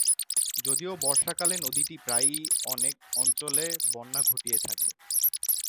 যদিও বর্ষাকালে নদীটি প্রায়ই অনেক অঞ্চলে বন্যা ঘটিয়ে থাকে।